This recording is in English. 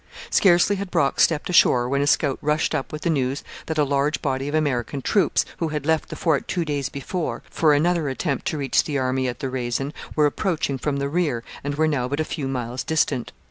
Scarcely had Brock stepped ashore when a scout rushed up with the news that a large body of American troops, who had left the fort two days before for another attempt to reach the army at the Raisin, were approaching from the rear, and were now but a few miles distant.